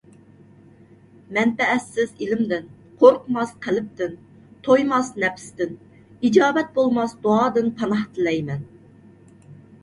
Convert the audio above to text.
مەنپەئەتسىز ئىلىمدىن، قورقماس قەلبتىن، تويماس نەپستىن، ئىجابەت بولماس دۇئادىن پاناھ تىلەيمەن.